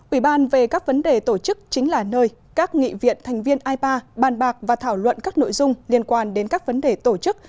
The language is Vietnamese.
ủy ban về các vấn đề tổ chức chính là nơi các nghị viện thành viên ipa bàn bạc và thảo luận các nội dung liên quan đến các vấn đề tổ chức